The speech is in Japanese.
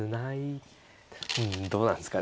うんどうなんですか。